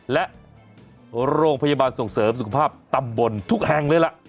และโรงพยาบาลส่งเสริมสุขภาพตำบลทุกแห่งเลยล่ะ